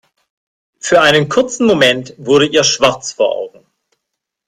Für einen kurzen Moment wurde ihr schwarz vor Augen.